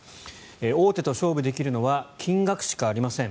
大手と勝負できるのは金額しかありません